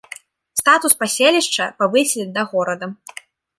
Статус паселішча павысілі да горада.